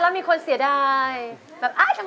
ทุกคนนี้ก็ส่งเสียงเชียร์ทางบ้านก็เชียร์